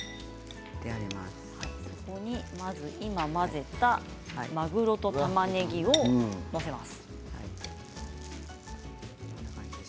そこにまず今、混ぜたまぐろとたまねぎを載せます。